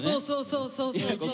そうそうそう！